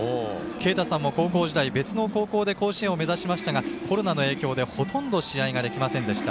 けいたさんも高校時代別の高校で甲子園を目指しましたがコロナの影響でほとんど試合ができませんでした。